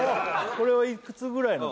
これはいくつぐらいの時？